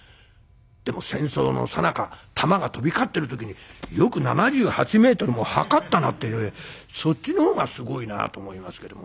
でも戦争のさなか弾が飛び交ってる時によく７８メートルも測ったなってそっちの方がすごいなと思いますけども。